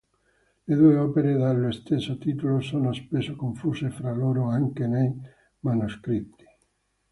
Le due opere, dallo stesso titolo, sono spesso confuse fra loro, anche nei manoscritti.